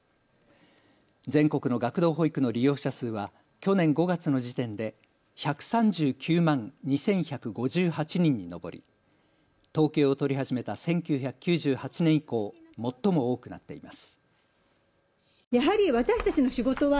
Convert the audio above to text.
全国の学童保育の利用者数は去年５月の時点で１３９万２１５８人に上り統計を取り始めた１９９８年以降、最も多くなっています。